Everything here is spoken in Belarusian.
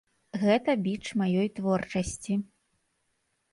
Гэта біч маёй творчасці.